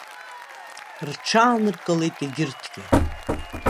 Рҽааныркылеит егьырҭгьы.